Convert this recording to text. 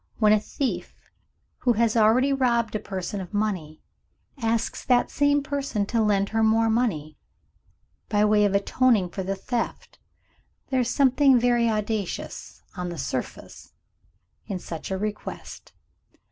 When a thief, who has already robbed a person of money, asks that same person to lend her more money, by way of atoning for the theft, there is something very audacious (on the surface) in such a request.